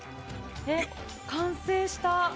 完成した。